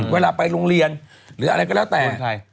เวลาไปโรงเรียนหรืออะไรก็แล้วแต่